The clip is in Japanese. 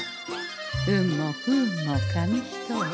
運も不運も紙一重。